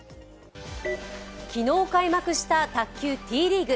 昨日、開幕した卓球Ｔリーグ。